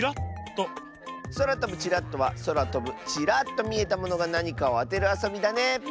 「そらとぶチラッと」はそらとぶチラッとみえたものがなにかをあてるあそびだねえ。